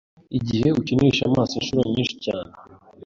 igihe ukinisha amaso inshuro nyinshi cyane